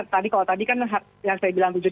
tadi kalau tadi kan yang saya bilang